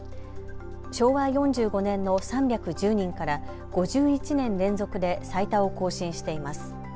昭和４５年の３１０人から５１年連続で最多を更新しています。